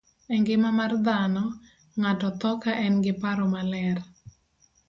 E ngima mar dhano, ng'ato tho ka en gi paro maler.